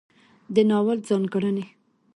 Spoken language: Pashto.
د ناول ځانګړنې